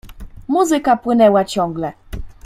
"Muzyka płynęła ciągle."